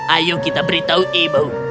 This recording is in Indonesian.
ayo kita beritahu ibu